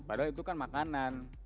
padahal itu kan makanan